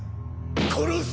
殺す！